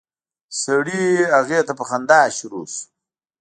سړی هغې ته په خندا شروع شو.